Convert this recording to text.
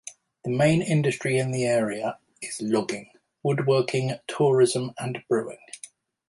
The main industry in the area is logging, woodworking, tourism, and brewing.